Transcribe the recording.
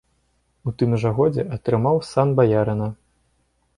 У тым жа годзе атрымаў сан баярына.